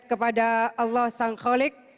kepada allah sangkholik